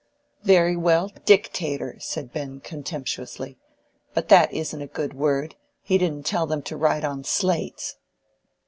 "Very well, dictator!" said Ben, contemptuously. "But that isn't a good word: he didn't tell them to write on slates."